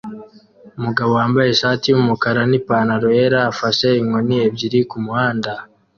Umugabo wambaye ishati yumukara nipantaro yera afashe inkoni ebyiri kumuhanda